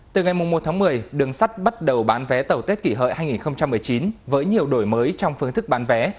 từ ngày một tháng một mươi đường sắt bắt đầu bán vé tàu tết kỷ hợi hai nghìn một mươi chín với nhiều đổi mới trong phương thức bán vé